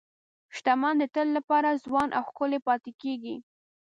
شتمن د تل لپاره ځوان او ښکلي پاتې کېږي.